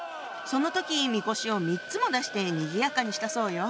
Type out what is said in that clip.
その時みこしを３つも出してにぎやかにしたそうよ。